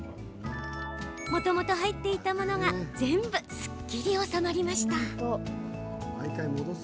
もともと入っていたもの全部がすっきり収まりました。